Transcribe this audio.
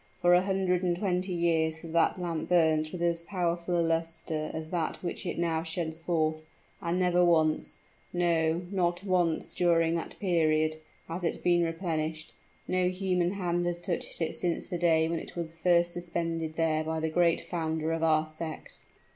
For a hundred and twenty years has that lamp burnt with as powerful a luster as that which it now sheds forth; and never once no, not once during that period, has it been replenished. No human hand has touched it since the day when it was first suspended there by the great founder of our sect."